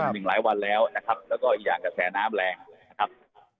หนึ่งหลายวันแล้วนะครับแล้วก็อีกอย่างกระแสน้ำแรงนะครับ